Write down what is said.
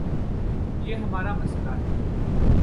یہ ہمار امسئلہ ہے۔